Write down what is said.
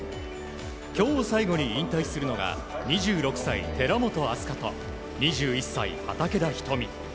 今日を最後に引退するのが２６歳、寺本明日香と２１歳、畠田瞳。